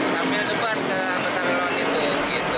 dan sambil membuka kaca sambil lewat ke betar lawan itu